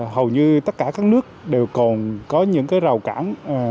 hầu như tất cả các nước đều còn có những rào cản